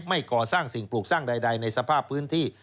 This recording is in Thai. ไม่ก่อสร้างสิ่งปลูกสร้างใดในสภาพพื้นที่